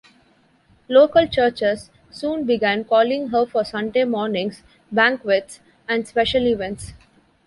Local churches soon began calling her for Sunday mornings, banquets and special events.